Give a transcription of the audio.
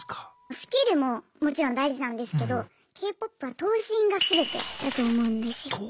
スキルももちろん大事なんですけどＫ−ＰＯＰは頭身がすべてだと思うんですよ。